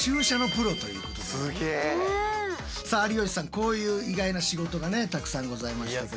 こういう意外な仕事がねたくさんございましたけど。